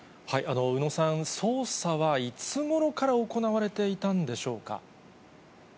宇野さん、捜査はいつごろから行われていたんでしょうか。